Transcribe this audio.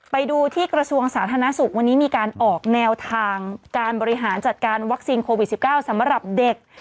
ไปดูที่กระทรวงสาธารณสุขวันนี้มีการออกแนวทางการบริหารจัดการวัคซีนโควิด๑๙สำหรับเด็ก